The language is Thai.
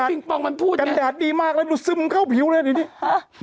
ฟิงปองมันพูดเนี้ยกันแดดดีมากเลยดูซึมเข้าผิวเลยนี่นี่ฮะ